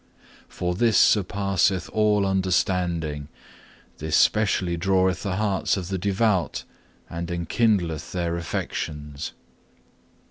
For this surpasseth all understanding, this specially draweth the hearts of the devout and enkindleth their affections.